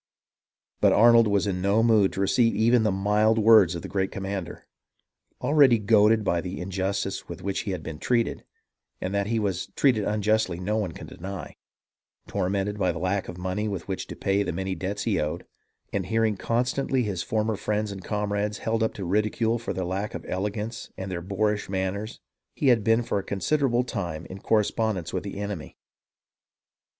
But Arnold was in no mood to receive even the mild words of the great commander. Already goaded by the injustice with which he had been treated (and that he was treated unjustly no one can deny), tormented by the lack of money with which to pay the many debts he owed, and hearing constantly his former friends and comrades held up to ridicule for their lack of elegance and their boorish manners, he had been for a considerable time in corre spondence with the enemy.